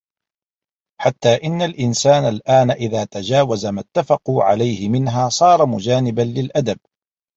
حَتَّى إنَّ الْإِنْسَانَ الْآنَ إذَا تَجَاوَزَ مَا اتَّفَقُوا عَلَيْهِ مِنْهَا صَارَ مُجَانِبًا لِلْأَدَبِ